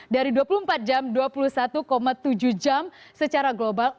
dari dua puluh empat jam dua puluh satu tujuh jam secara global